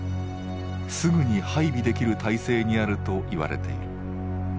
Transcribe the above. すぐに配備できる体制にあると言われている。